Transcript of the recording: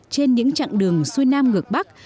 trên những chặng đường xuôi nam ngược bắc